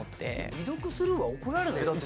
未読スルーは怒られない？